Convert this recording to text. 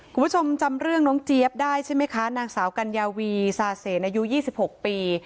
คุณผู้ชมจำเรื่องน้องเจี๊ยบได้ใช่ไหมคะนางสาวกัญญาวีซาเสนอายุ๒๖ปี